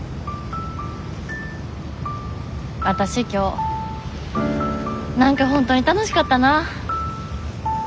わたし今日何か本当に楽しかったな！